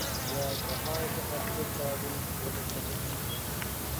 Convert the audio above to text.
ۋە ناھايىتى ئەپچىل چارىدىن بىرنى تېپىپ چىقتى.